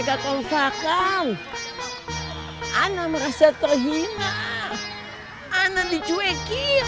tidak menggunakan anak merasa terhina anak dicuekin